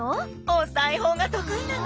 お裁縫が得意なの。